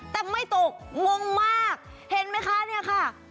แต่ไม่ตกมนุมมากเห็นไหมคะนี่นะคะ